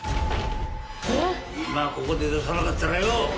今ここで出さなかったらよ